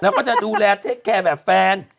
แล้วก็จะดูแลเทคแคร์แบบแฟน